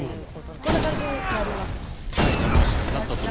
こんな感じになります。